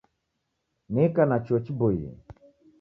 Nika na chuo chiboie.